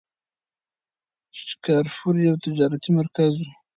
شکارپور یو تجارتي مرکز و.